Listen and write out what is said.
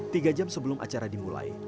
tiga jam sebelum acara dimulai